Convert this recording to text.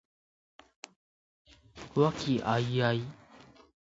和気藹々